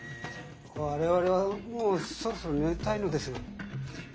我々はもうそろそろ寝たいのですが。